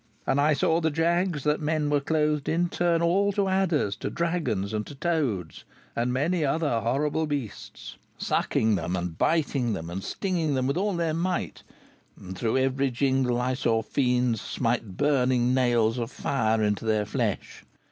And I saw the jagges that men were clothed in turn all to adders, to dragons, and to toads, and 'many other orrible bestes,' sucking them, and biting them, and stinging them with all their might, and through every jingle I saw fiends smite burning nails of fire into their flesh.